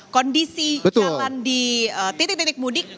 kondisi jalan di titik titik mudik